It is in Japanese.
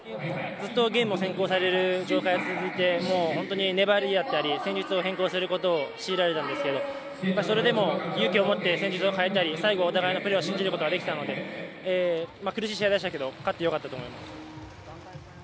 ずっとゲームを先行される状態が続いてもう本当に粘りだったり戦術を変更することを強いられたんですけどそれでも勇気を持って戦術を変えたり最後、お互いのプレーを信じることができたので苦しい試合でしたけど勝ってよかったと思います。